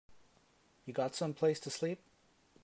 You got someplace to sleep?